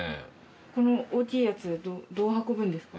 この大きいやつどう運ぶんですか？